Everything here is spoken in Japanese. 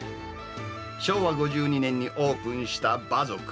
昭和５２年にオープンした馬賊。